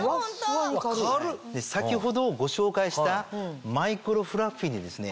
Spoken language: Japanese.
先ほどご紹介したマイクロフラッフィーにですね